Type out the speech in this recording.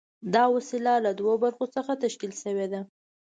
دا وسیله له دوو برخو څخه تشکیل شوې ده.